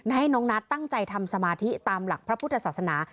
ให้น้องนัทตั้งใจทำสมาธิตามหลักพระพุทธศาสนา